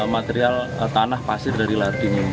material tanah pasir dari lahar dingin